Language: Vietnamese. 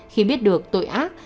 khi biết được tội ác